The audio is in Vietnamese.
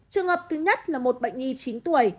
trường hợp thứ nhất là một bệnh nhi chín tuổi